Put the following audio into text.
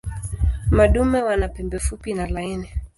Madume wana pembe fupi na laini.